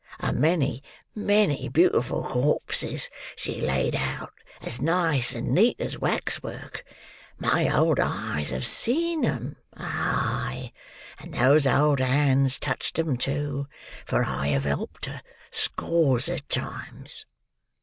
A many, many, beautiful corpses she laid out, as nice and neat as waxwork. My old eyes have seen them—ay, and those old hands touched them too; for I have helped her, scores of times."